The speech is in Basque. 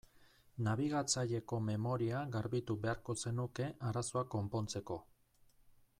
Nabigatzaileko memoria garbitu beharko zenuke arazoa konpontzeko.